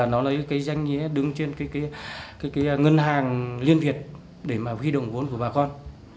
nó lấy cái danh nhé đứng trên cái ngân hàng liên việt để mà huy động vốn của bà con